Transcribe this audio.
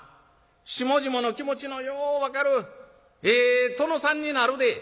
下々の気持ちのよう分かるええ殿さんになるで」。